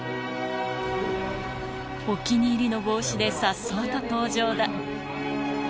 お気に入りの帽子で颯爽と登場だ。